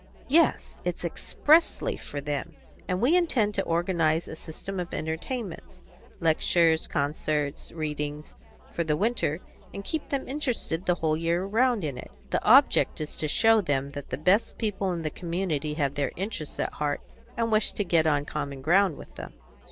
"Yes, it's expressly for them, and we intend to organise a system of entertainments lectures, concerts, readings for the winter, and keep them interested the whole year round in it. The object is to show them that the best people in the community have their interests at heart, and wish to get on common ground with them."